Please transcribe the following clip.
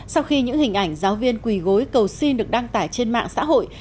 sau khi những hình ảnh giáo viên quỳ gối cầu xin được đăng tải trên mạng xã hội